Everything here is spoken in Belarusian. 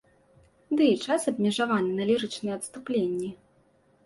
Ды і час абмежаваны на лірычныя адступленні.